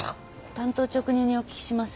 単刀直入にお聞きします。